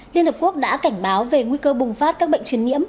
liên hợp quốc đã cảnh báo về nguy cơ bùng phát các bệnh truyền nhiễm